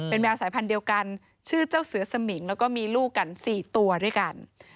แมวสายพันธุ์เดียวกันชื่อเจ้าเสือสมิงแล้วก็มีลูกกัน๔ตัวด้วยกัน